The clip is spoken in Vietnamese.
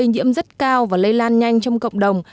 nhiễm rất cao và lây lan nhanh trong cộng đồng